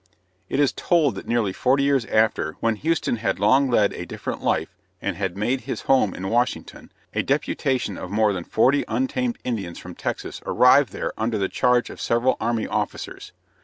It is told that nearly forty years after, when Houston had long led a different life and had made his home in Washington, a deputation of more than forty untamed Indians from Texas arrived there under the charge of several army officers.